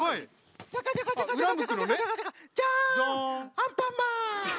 アンパンマン！